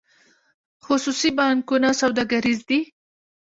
خصوصي بانکونه سوداګریز دي